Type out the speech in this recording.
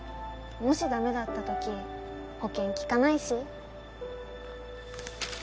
もしダメだったとき保険きかないし